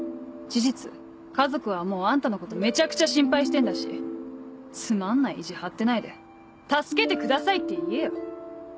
事実家族はもうあんたのことめちゃくちゃ心配してんだしつまんない意地張ってないで「助けてください」って言えよ。